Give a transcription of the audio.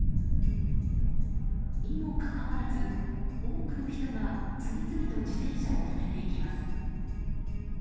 にもかかわらず、多くの人が次々と自転車を止めていきます。